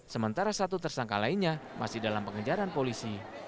sementara satu tersangka lainnya masih dalam pengejaran polisi